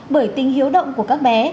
bởi tình hiếu động của các bé